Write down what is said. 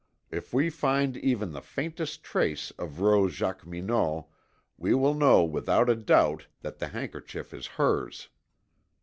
If we find even the faintest trace of Rose Jacqueminot we will know without a doubt that the handkerchief is hers."